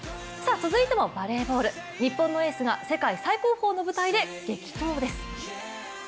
続いてもバレーボール、日本選手が世界最高峰の舞台で激突です。